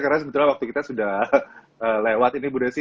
karena sebetulnya waktu kita sudah lewat ini